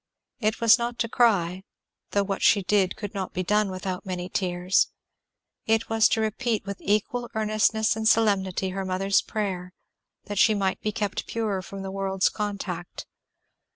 It was not to cry, though what she did could not be done without many tears, it was to repeat with equal earnestness and solemnity her mother's prayer, that she might be kept pure from the world's contact.